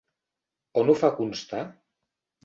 On ho fa constar?